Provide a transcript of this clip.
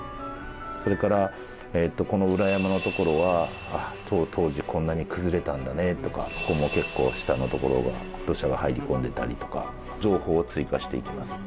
それからこの裏山のところは当時こんなに崩れたんだねとかここも結構下のところが土砂が入り込んでたりとか情報を追加していきます。